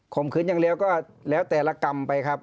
มขืนอย่างเดียวก็แล้วแต่ละกรรมไปครับ